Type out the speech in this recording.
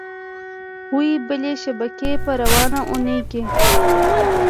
وې بلې شبکې په روانه اونۍ کې